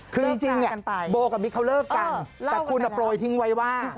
คือจริงเนี่ยโบกับมิ๊กเขาเลิกกันแต่คุณโปรยทิ้งไว้ว่า